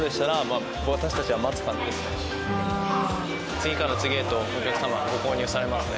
次から次へとお客様ご購入されますね。